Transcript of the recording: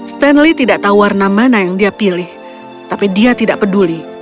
stanley tidak tahu warna mana yang dia pilih tapi dia tidak peduli